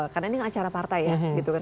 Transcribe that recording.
karena ini acara partai ya